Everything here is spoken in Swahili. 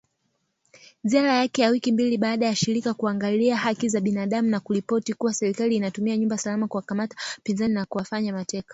Ziara yake ya wiki mbili baada ya shirika kuangalia Haki za binadamu na kuripoti kua serikali inatumia nyumba salama kuwakamata wapinzani na kuwafanya mateka